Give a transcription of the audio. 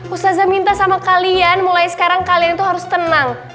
usazah minta sama kalian mulai sekarang kalian tuh harus tenang